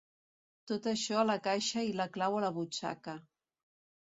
Tot això a la caixa i la clau a la butxaca.